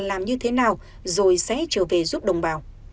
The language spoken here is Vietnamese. làm như thế nào rồi sẽ trở về giúp đồng bào